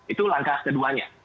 itu langkah keduanya